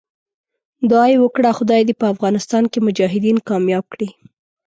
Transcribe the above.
دعا یې وکړه خدای دې په افغانستان کې مجاهدین کامیاب کړي.